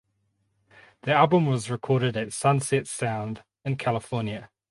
The album was recorded at Sunset Sound in California.